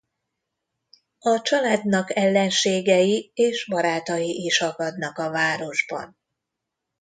A családnak ellenségei és barátai is akadnak a városban.